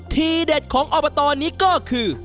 ทีเด็ดของอบตนี้ก็คือ